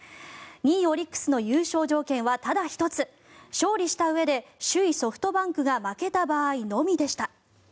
２位オリックスの優勝条件はただ１つ勝利したうえで首位ソフトバンクが負けた場合のみでした。